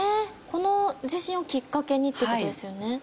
この地震をきっかけにって事ですよね？